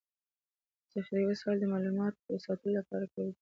ذخيروي وسایل د معلوماتو د ساتلو لپاره کارول کيږي.